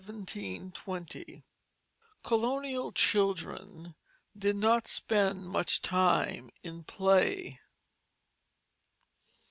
_ Colonial children did not spend much time in play.